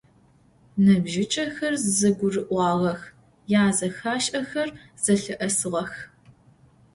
Ныбжьыкӏэхэр зэгурыӏуагъэх, язэхашӏэхэр зэлъыӏэсыгъэх.